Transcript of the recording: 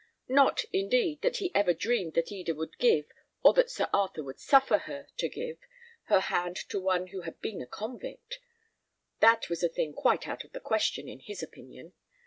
Not, indeed, that he ever dreamed that Eda would give, or that Sir Arthur would suffer her to give, her hand to one who had been a convict; that was a thing quite out of the question, in his opinion.